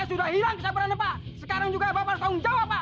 saya sudah hilang kesabaran pak sekarang juga bapak harus tanggung jawab pak